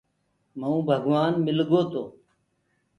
مئونٚ ڀگوآن مِلگو تو